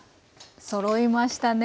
そろいましたね。